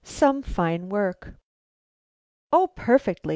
SOME FINE WORK. "O perfectly!"